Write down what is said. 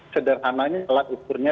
sederhananya telat ukurnya